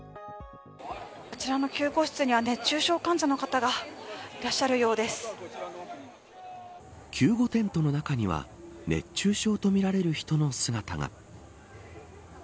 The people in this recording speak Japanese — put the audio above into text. あちらの救護室には熱中症患者の方が救護テントの中には熱中症とみられる人の姿が。